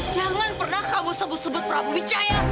jangan pernah kamu sebut sebut prabu wijaya